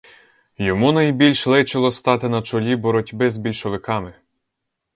Йому найбільш личило стати на чолі боротьби з більшовиками.